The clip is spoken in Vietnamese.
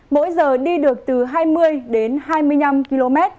mỗi giờ đi được từ hai mươi đến hai mươi năm km